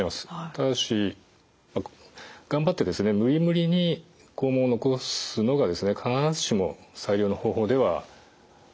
ただし頑張って無理無理に肛門を残すのが必ずしも最良の方法ではないんですね。